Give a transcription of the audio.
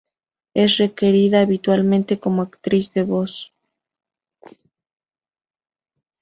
Es requerida habitualmente como actriz de voz.